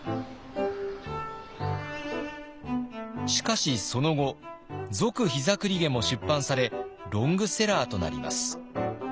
しかしその後「続膝栗毛」も出版されロングセラーとなります。